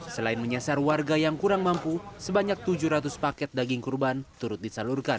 selain menyasar warga yang kurang mampu sebanyak tujuh ratus paket daging kurban turut disalurkan